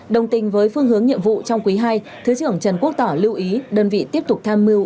đồng tình với phương hướng nhiệm vụ trong quý ii thứ trưởng trần quốc tỏ lưu ý đơn vị tiếp tục tham mưu